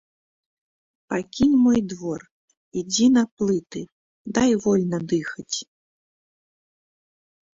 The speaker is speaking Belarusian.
Пакінь мой двор, ідзі на плыты, дай вольна дыхаць.